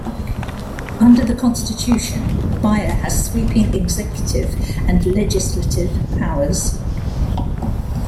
Under the constitution, Biya has sweeping executive and legislative powers.